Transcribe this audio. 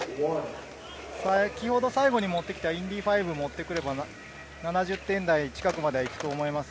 さきほど最後に持ってきたインディ５４０を持ってくれば、７０点台近くまでは行くと思います。